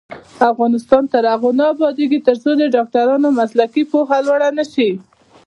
افغانستان تر هغو نه ابادیږي، ترڅو د ډاکټرانو مسلکي پوهه لوړه نشي.